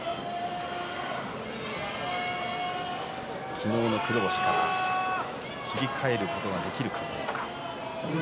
昨日の黒星から切り替えることができるか。